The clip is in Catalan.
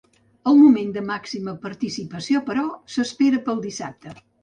El moment de màxima participació, però, s’espera pel dissabte.